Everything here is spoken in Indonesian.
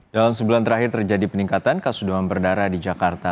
dalam sebulan terakhir terjadi peningkatan kasus demam berdarah di jakarta